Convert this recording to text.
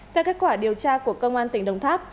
theo kết quả điều tra của công an tỉnh đồng tháp